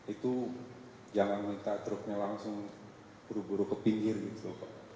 itu jangan minta truknya langsung buru buru ke pinggir gitu loh pak